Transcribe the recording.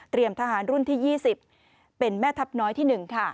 ทหารรุ่นที่๒๐เป็นแม่ทัพน้อยที่๑